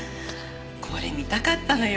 これ見たかったのよ。